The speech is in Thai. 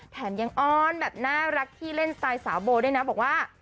แถมยังอ้อนแบบน่ารักที่เล่นสไตล์สาวโบด้วยนะบอกว่า